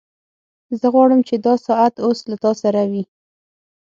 زه غواړم چې دا ساعت اوس له تا سره وي